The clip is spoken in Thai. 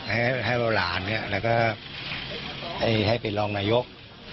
ให้เบาหวานแล้วก็ให้เป็นรองนายก